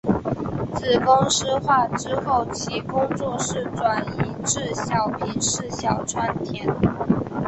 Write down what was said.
子公司化之后其工作室转移至小平市小川町。